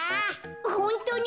ホントに？